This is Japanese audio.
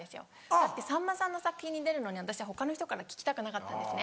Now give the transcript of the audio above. だってさんまさんの作品に出るのに私は他の人から聞きたくなかったんですね。